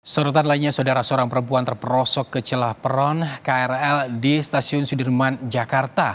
sorotan lainnya saudara seorang perempuan terperosok ke celah peron krl di stasiun sudirman jakarta